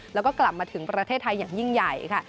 แล้วก็กลับมาถึงประเทศไทยอย่างยิ่งใหญ่ค่ะ